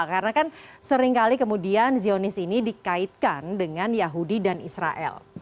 karena kan sering kali kemudian zionis ini dikaitkan dengan yahudi dan israel